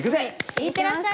いってらっしゃい！